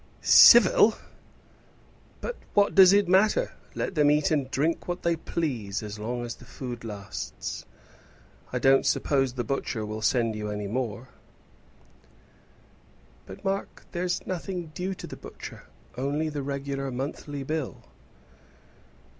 "Civil! But what does it matter? Let them eat and drink what they please, as long as the food lasts. I don't suppose the butcher will send you more." "But, Mark, there's nothing due to the butcher, only the regular monthly bill."